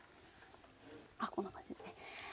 あっこんな感じですねはい。